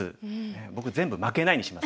僕「全部負けない」にします